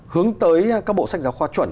hướng tới các bộ sách giáo khoa chuẩn